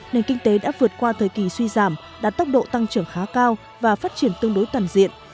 nền kinh tế đã vượt qua thời kỳ suy giảm đạt tốc độ tăng trưởng khá cao và phát triển tương đối toàn diện